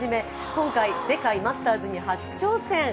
今回、世界マスターズに初挑戦。